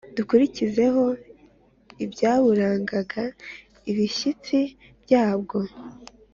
dukurikizeho ibyaburangaga ibishyitsi byabwo